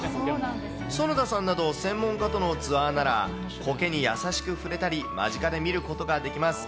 園田さんなど、専門家とのツアーなら、コケに優しく触れたり、間近で見ることができます。